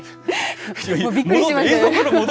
びっくりしました。